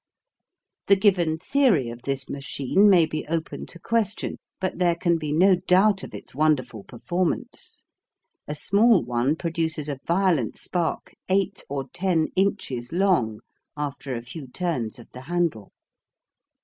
The given theory of this machine may be open to question, but there can be no doubt of its wonderful performance. A small one produces a violent spark 8 or 10 inches long after a few turns of the handle.